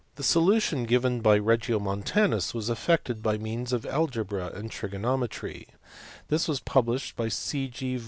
The solution given by Regiomontanus was effected by means of algebra and trigonometry: this was published by 0. G.